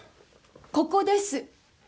ここです。